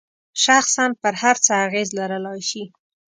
شخصاً پر هر څه اغیز لرلای شي.